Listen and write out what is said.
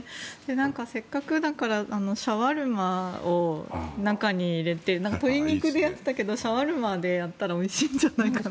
せっかくだからシャワルマーを中に入れて鶏肉に入れていたけどシャワルマーでやったらおいしいんじゃないかと。